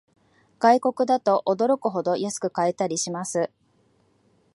外国だと驚くほど安く買えたりします